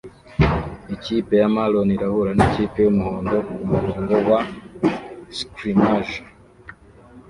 Ikipe ya maroon irahura nikipe yumuhondo kumurongo wa scrimmage